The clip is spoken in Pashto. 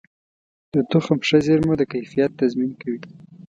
د تخم ښه زېرمه د کیفیت تضمین کوي.